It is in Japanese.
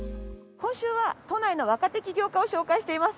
今週は都内の若手起業家を紹介しています。